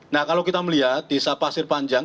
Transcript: nah kalau kita melihat desa pasir panjang